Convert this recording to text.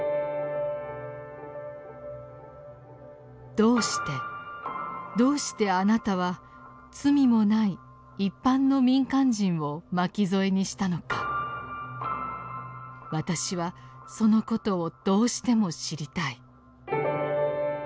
「どうしてどうして貴方は罪もない一般の民間人を巻きぞえにしたのか私はその事をどうしても知りたい」。